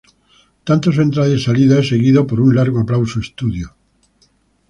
Tanto su entrada y salida es seguido por un largo aplauso estudio.